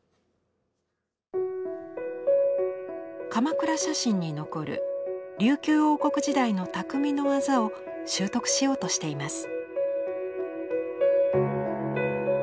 鎌倉写真に残る琉球王国時代の匠の技を習得しようとしています。